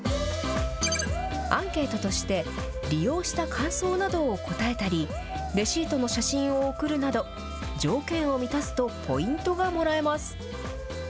アンケートとして、利用した感想などを答えたり、レシートの写真を送るなど、条件を満たすとポイントがもらえます。